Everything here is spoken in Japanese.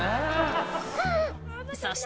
［そして］